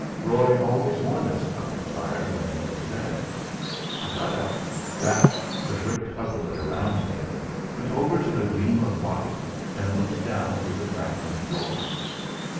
Roy always warned us about the fire when he went to bed. I got up, wrapped the great coverlet around me, went over to the gleam of light and looked down through the crack in the floor.